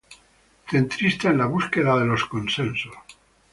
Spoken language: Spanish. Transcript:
Centrista en la búsqueda de los consensos.